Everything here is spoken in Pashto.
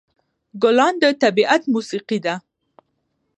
ګلان د طبیعت موسيقي ده.